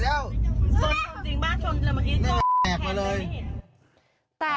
จริงบ้าชนเมื่อกี้ก็แหลกมาเลย